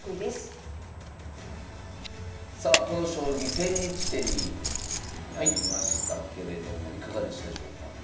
さあこの将棋千日手になりましたけれどもいかがでしたでしょうか？